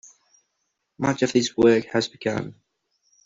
Much of this work has begun.